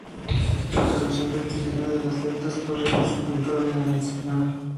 La versión castellana de las letras corrió por cuenta de Aznar.